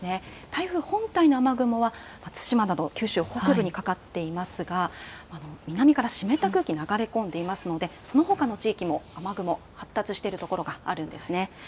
台風本体の雨雲は対馬など九州北部にかかっていますが、南から湿った空気、流れ込んでいますので、そのほかの地域も雨雲、発達している所があるんですね。